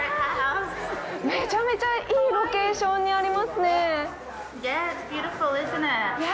めちゃめちゃいいロケーションにありますね。